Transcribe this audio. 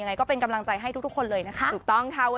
ยังไงก็เป็นกำลังใจให้ทุกคนเลยนะคะถูกต้องค่ะ